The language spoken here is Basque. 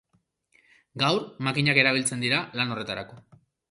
Gaur makinak erabiltzen dira lan horretarako.